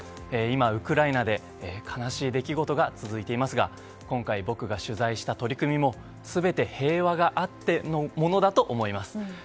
今、ウクライナで悲しい出来事が続いていますが今回僕が取材した取り組みも全て、平和があってのものだと思います。